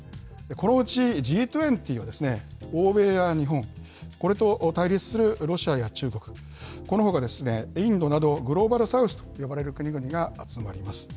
このうちＧ２０は欧米や日本、これと対立するロシアや中国、このほかですね、インドなどグローバル・サウスと呼ばれる国々が集まります。